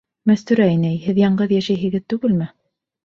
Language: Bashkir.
Мәстүрә инәй, һеҙ яңғыҙ йәшәйһегеҙ түгелме?